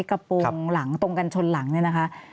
กระโปรงหลังตรงกันชนหลังเนี่ยนะคะ